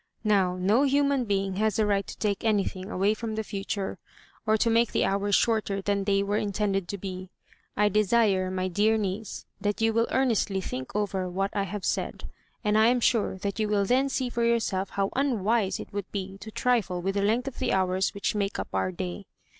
Now, no human being has a right to take anything away from the future, or to make the hours shorter than they were intended to be. I desire, my dear niece, that you will earn estly think over what I have said, and I am sure that you will then see for yourself how unwise it would be to trifle with the length of the hours which make up our day.